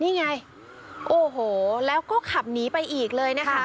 นี่ไงโอ้โหแล้วก็ขับหนีไปอีกเลยนะคะ